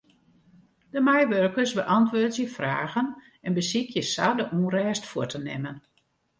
De meiwurkers beäntwurdzje fragen en besykje sa de ûnrêst fuort te nimmen.